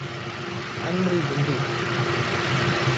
ان ريٚ گُنديٚ